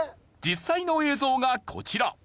実際の映像がこちら。